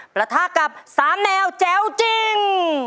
ประทะกับ๓แนวแจ๋วจริง